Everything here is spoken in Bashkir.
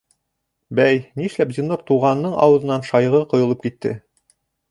Бәй, нишләп Зиннур туғанының ауыҙынан шайығы ҡойолоп китте?